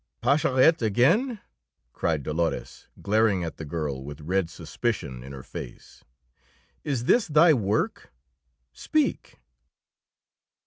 Pascherette again?" cried Dolores, glaring at the girl with red suspicion in her face. "Is this thy work? Speak!"